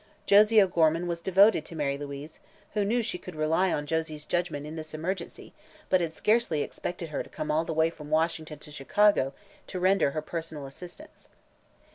Josie O'Gorman was devoted to Mary Louise, who knew she could rely on Josie's judgment in this emergency but had scarcely expected her to come all the way from Washington to Chicago to render her personal assistance.